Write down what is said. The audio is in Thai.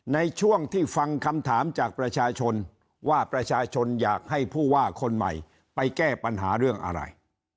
ในช่วงที่ฟังคำถามจากประชาชนว่าประชาชนอยากให้ผู้ว่าคนใหม่ไปแก้ปัญหาเรื่องอะไร